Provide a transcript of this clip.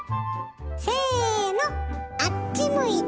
せのあっち向いてホイ！